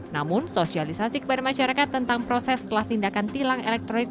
namun sosialisasi kepada masyarakat tentang proses setelah tindakan tilang elektronik